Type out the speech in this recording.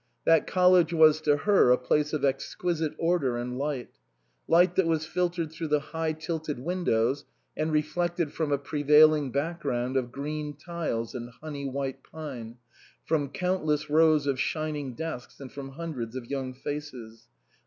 That college was to her a place of exquisite order and light. Light that was filtered through the high tilted windows, and reflected from a prevailing background of green tiles and honey white pine, from countless rows of shining desks and from hundreds of young faces.